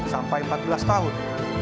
sampai empat belas tahun